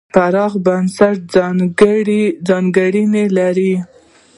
پراخ بنسټه ځانګړنې یې لرلې.